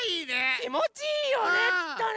きもちいいよねきっとね。